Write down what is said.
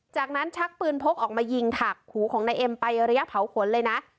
จากนั้นชักปืนพกออกมายิงถักหูของนายเอ็มไประยะเผาขนเลยนะ